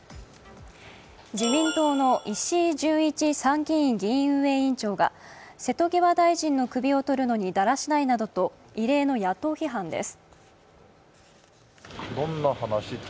自民党の石井準一参議院議院運営委員長が瀬戸際大臣の首をとるのにだらしないなどと異例の野党批判です。